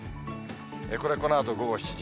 これ、このあと午後７時。